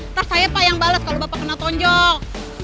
ntar saya pak yang bales kalo bapak kena tonjok